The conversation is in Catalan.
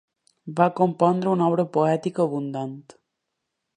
Va compondre una obra poètica abundant.